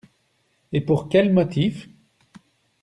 Et pour quels motifs!